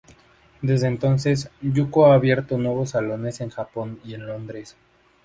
Desde entonces, Yuko ha abierto nuevos salones en Japón y en Londres